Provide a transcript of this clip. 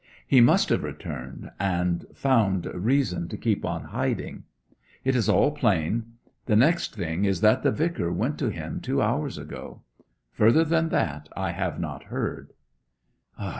He must have returned, and found reason to keep in hiding. It is all plain. The next thing is that the Vicar went to him two hours ago. Further than that I have not heard.'